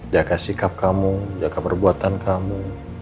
jaga sikap kamu jaga perbuatan kamu